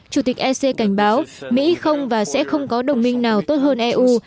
chủ tịch ec cảnh báo mỹ không và sẽ không có đồng minh nào tốt hơn eu